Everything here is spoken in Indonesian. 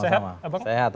sehat sehat alhamdulillah